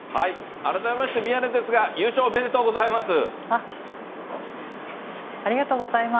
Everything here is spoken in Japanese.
改めまして宮根ですが、ありがとうございます。